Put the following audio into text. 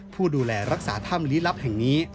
ผู้ดูแลรักษาถ้ำลี้ลับแห่งนี้